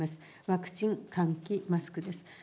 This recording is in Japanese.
ワクチン、換気、マスクです。